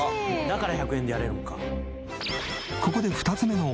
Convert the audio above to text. だから１００円でやれるんか。